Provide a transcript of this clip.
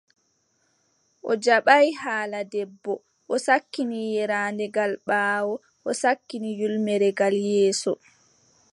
O jaɓaay haala debbo, o sakkini yeeraande gal ɓaawo, o sakkini ƴulmere gal yeeso.